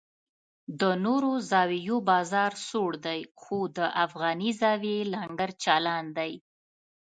د نورو زاویو بازار سوړ دی خو د افغاني زاویې لنګر چالان دی.